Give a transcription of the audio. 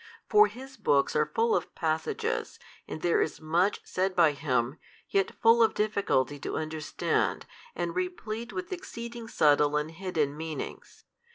For his books are full of passages, and there is much said by him, yet full of difficulty to understand and replete with exceeding subtle and hidden meanings.